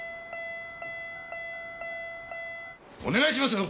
お願いしますよ！